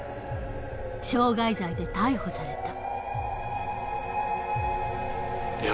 傷害罪で逮捕された。